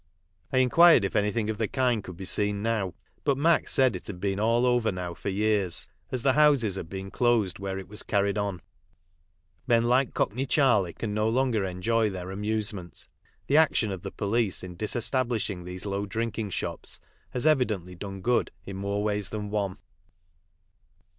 I inquired if anything of the kind could be seen now, but Mac said it had been all over now for years, as the houses had been closed where it was carried on. Men like Cockney Charley can no longer enjoy their amuse ment. The action of the police in disestablishing these low drinking shops has evidently done good in more ways than one.